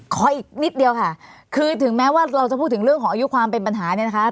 ขออีกนิดเดียวค่ะคือถึงแม้ว่าเราจะพูดถึงเรื่องของอายุความเป็นปัญหาเนี่ยนะคะ